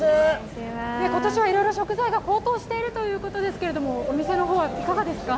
今年はいろいろ食材が高騰しているということですがお店の方はいかがですか？